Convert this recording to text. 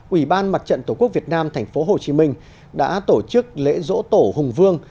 ủy ban mặt trận tổ quốc việt nam thành phố hồ chí minh đã tổ chức lễ dỗ tổ hùng vương